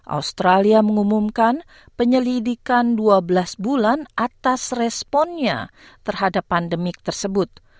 australia mengumumkan penyelidikan dua belas bulan atas responnya terhadap pandemik tersebut